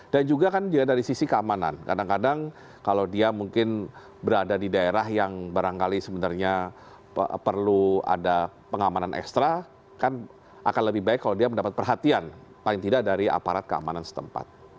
dan juga kan dari sisi keamanan kadang kadang kalau dia mungkin berada di daerah yang barangkali sebenarnya perlu ada pengamanan ekstra kan akan lebih baik kalau dia mendapat perhatian paling tidak dari aparat keamanan setempat